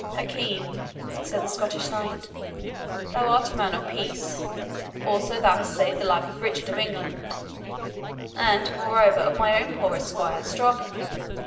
"Hakim," said the Scottish knight, "thou art a man of peace; also thou hast saved the life of Richard of England and, moreover, of my own poor esquire, Strauchan.